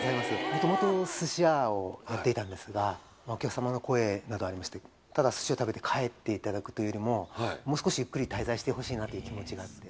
もともとすし屋をやっていたんですが、お客様の声などありまして、ただすしを食べて帰っていただくというよりも、もう少しゆっくり滞在してほしいなっていう気持ちがあって。